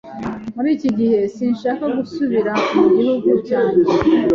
Muri iki gihe, sinshaka gusubira mu gihugu cyanjye.